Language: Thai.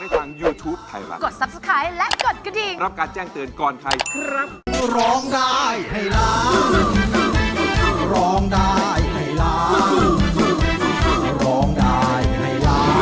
ให้ร้านร้องได้